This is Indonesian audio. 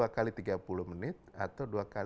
dua x tiga puluh menit atau